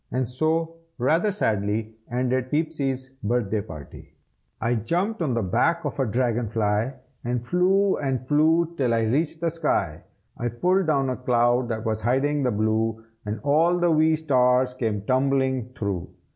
And so, rather sadly, ended Peepsy's birthday party. I jumped on the back of a dragon fly, And flew and flew till I reached the sky. I pulled down a cloud that was hiding the blue, And all the wee stars came tumbling through.